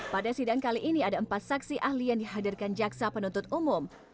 pada sidang kali ini ada empat saksi ahli yang dihadirkan jaksa penuntut umum